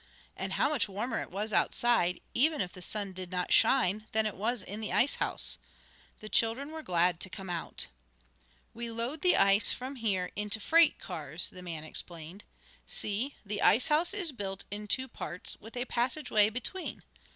And how much warmer it was outside; even if the sun did not shine, than it was in the ice house. The children were glad to come out. "We load the ice from here into freight cars," the man explained. "See, the ice house is built in two parts, with a passage way between.